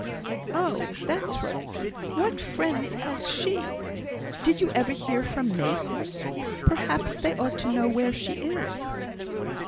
"Oh, that's right. What friends has she? Did you ever hear from Mason? perhaps they ought to know where she is."